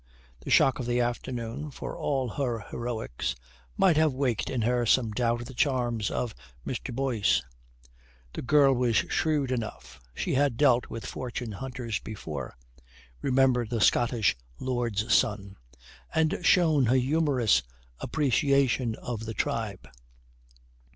The shock of the afternoon, for all her heroics, might have waked in her some doubt of the charms of Mr. Boyce. The girl was shrewd enough. She had dealt with fortune hunters before remember the Scottish lord's son and shown a humorous appreciation of the tribe.